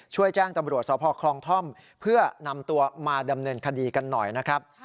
ช่วยแจ้งตำรวจสพคลองท่อมเพื่อนำตัวมาดำเนินคดีกันหน่อยนะครับ